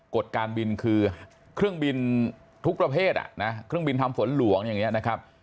กฎการบินคือเครื่องบินทุกประเภทเครื่องบินทำฝนหลวงอย่างนี้นะครับ